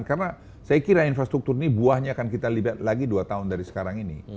karena saya kira infrastruktur ini buahnya akan kita libat lagi dua tahun dari sekarang ini